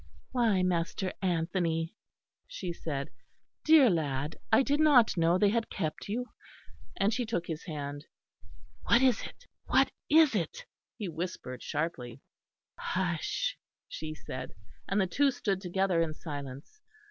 "Why, Master Anthony," she said, "dear lad; I did not know they had kept you," and she took his hand. "What is it, what is it?" he whispered sharply. "Hush," she said; and the two stood together in silence.